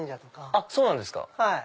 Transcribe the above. あっそうなんですか。